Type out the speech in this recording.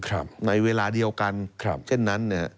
และวันเวลาเดียวกันเช่นนั้น